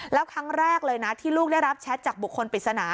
แล้วครั้งแรกเลยนะที่ลูกได้รับแชทจากบุคคลปริศนา